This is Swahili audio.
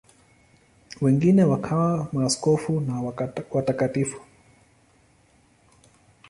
Wengine wakawa maaskofu na watakatifu.